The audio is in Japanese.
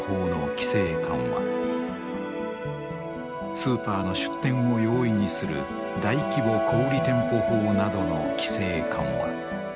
スーパーの出店を容易にする大規模小売店舗法などの規制緩和。